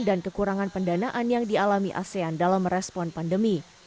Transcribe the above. dan kekurangan pendanaan yang dialami asean dalam respon pandemi